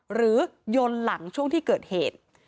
หรือยดหลังช่วงที่เกิดเหตุ